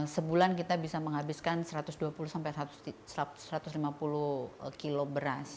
sebulan kita bisa menghabiskan satu ratus dua puluh satu ratus lima puluh kilo beras